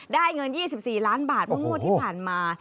ได้เงิน๒๔ล้านบาทประโยชน์ที่ผ่านมา